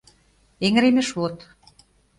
«ЭҤЫРЕМЫШВОТ»